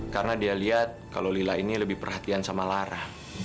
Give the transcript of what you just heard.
karena dia lihat kalau lila ini lebih perhatian sama lara